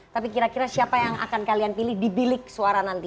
tapi kira kira siapa yang akan kalian pilih di bilik suara nanti